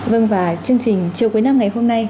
vâng và chương trình chiều cuối năm ngày hôm nay